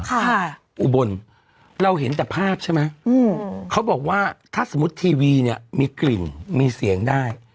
อุบลเราเห็นแต่ภาพใช่ไหมอืมเขาบอกว่าถ้าสมมุติทีวีเนี้ยมีกลิ่นมีเสียงได้